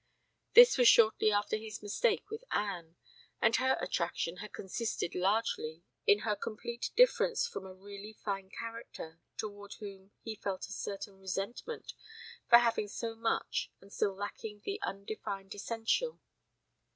This was shortly after his mistake with Anne, and her attraction had consisted largely in her complete difference from a really fine character toward whom he felt a certain resentment for having so much and still lacking the undefined essential.